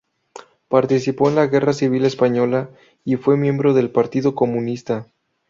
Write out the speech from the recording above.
Participó en la Guerra civil española y fue miembro del Partido Comunista.